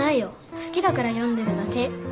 好きだから読んでるだけ。